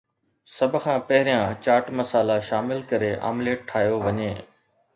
سڀ کان پهريان چاٽ مسالا شامل ڪري آمليٽ ٺاهيو وڃي